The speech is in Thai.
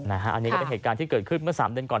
อันนี้ก็เป็นเหตุการณ์ที่เกิดขึ้นเมื่อ๓เดือนก่อน